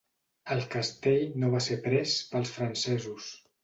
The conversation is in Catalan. El castell no va ser pres pels francesos.